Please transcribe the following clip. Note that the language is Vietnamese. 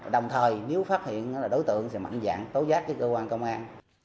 đồng thời nếu phát hiện đối tượng sẽ mạnh dạng tố giác với cơ quan công an